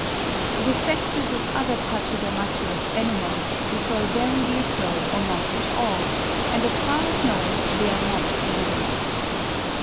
The sexes of other pachydermatous animals differ very little or not at all, and, as far as known, they are not polygamists.